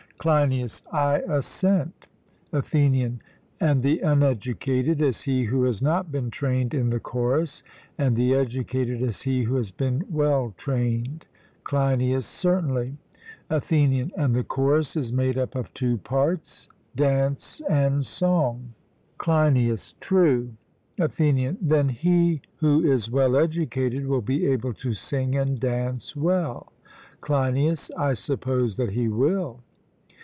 CLEINIAS: I assent. ATHENIAN: And the uneducated is he who has not been trained in the chorus, and the educated is he who has been well trained? CLEINIAS: Certainly. ATHENIAN: And the chorus is made up of two parts, dance and song? CLEINIAS: True. ATHENIAN: Then he who is well educated will be able to sing and dance well? CLEINIAS: I suppose that he will.